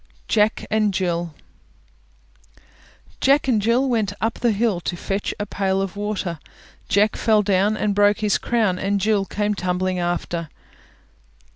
JACK AND JILL Jack and Jill went up the hill To fetch a pail of water; Jack fell down and broke his crown, And Jill came tumbling after.